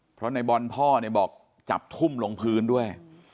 เพราะในบอลพ่อเนี่ยบอกจับทุ่มลงพื้นด้วย